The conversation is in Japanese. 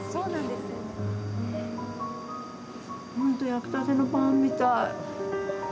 焼きたてのパンみたい。